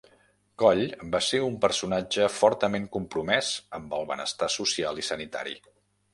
Coll va ser un personatge fortament compromès amb el benestar social i sanitari.